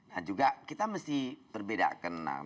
nah juga kita mesti berbeda kenang